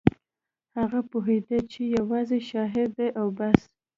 هغه پوهېده چې یوازې شاعر دی او بس